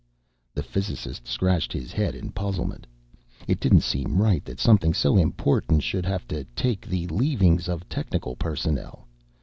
The physicist scratched his head in puzzlement. It didn't seem right that something so important should have to take the leavings of technical personnel.